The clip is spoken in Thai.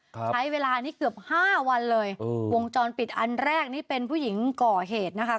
ใช้เวลานี้เกือบห้าวันเลยอืมวงจรปิดอันแรกนี่เป็นผู้หญิงก่อเหตุนะคะ